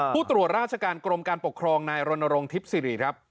ผู้ตรวจราชการกรมการปกครองนายรณรงค์ทิพย์สิริครับ